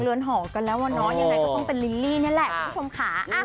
เรือนหอกันแล้วอะเนาะยังไงก็ต้องเป็นลิลลี่นี่แหละคุณผู้ชมค่ะ